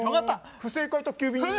不正解宅急便です。